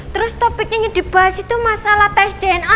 terus topik yang dibahas itu masalah tes dna